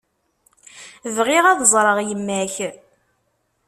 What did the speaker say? Bɣiɣ ad ẓreɣ yemma-k.